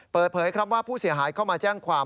เปิดเผยครับว่าผู้เสียหายเข้ามาแจ้งความ